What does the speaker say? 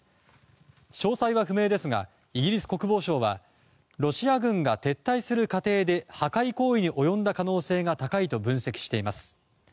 詳細は不明ですがイギリス国防省はロシア軍が撤退する過程で破壊行為に及んだ可能性が高いと分析しています。